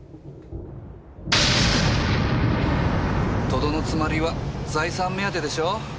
とどのつまりは財産目当てでしょ？